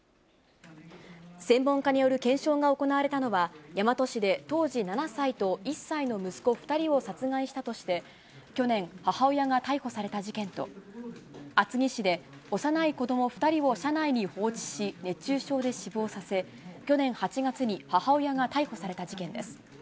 専門家による検証が行われたのは、大和市で当時７歳と１歳の息子２人を殺害したとして、去年、母親が逮捕された事件と、厚木市で幼い子ども２人を車内に放置し、熱中症で死亡させ、去年８月に母親が逮捕された事件です。